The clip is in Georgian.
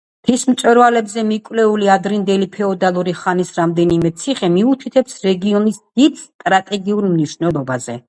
მთის მწვერვალებზე მიკვლეული ადრინდელი ფეოდალური ხანის რამდენიმე ციხე მიუთითებს რეგიონის დიდ სტრატეგიულ მნიშვნელობაზე.